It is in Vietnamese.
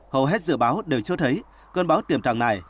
hầu hết dự báo đều cho thấy cơn bão tiềm tàng này